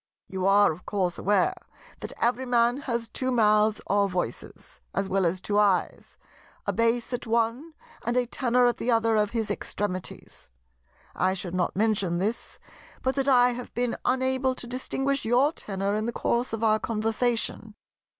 "You are of course aware that every Man has two mouths or voices—as well as two eyes—a bass at one and a tenor at the other of his extremities. I should not mention this, but that I have been unable to distinguish your tenor in the course of our conversation."